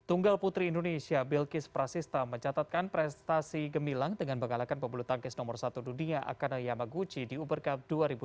tunggal putri indonesia bilkis prasista mencatatkan prestasi gemilang dengan mengalahkan pebulu tangkis nomor satu dunia akana yamaguchi di uber cup dua ribu dua puluh